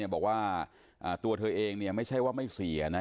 บอกว่าตัวเธอเองไม่ใช่ว่าไม่เสีย